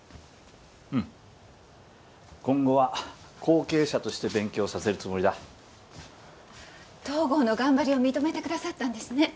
うん今後は後継者として勉強させるつもりだ東郷の頑張りを認めてくださったんですね